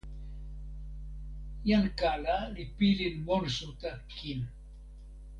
jan kala li pilin monsuta kin.